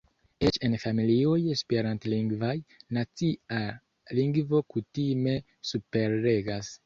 Eĉ en familioj Esperantlingvaj, nacia lingvo kutime superregas.